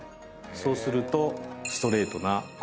そうすると。